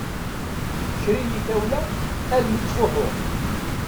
Tekker-iyi tawla almi ttfuḥuɣ.